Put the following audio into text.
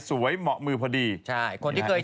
คนไม่เคยเสี่ยวนะคะ